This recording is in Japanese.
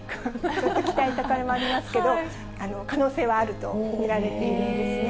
期待高まりますけど、可能性はあると見られているんですね。